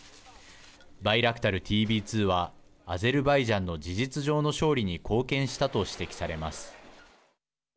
バイラクタルＴＢ２はアゼルバイジャンの事実上の勝利に貢献したと指摘されます。